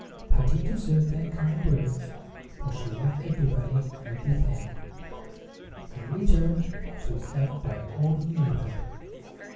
Patty deserved their kind words, for she loved everybody and everything, and in return she was loved by all who knew her.